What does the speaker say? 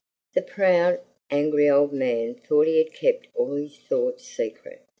The proud, angry old man thought he had kept all his thoughts secret.